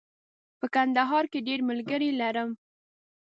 په کندهار کې ډېر ملګري لرم.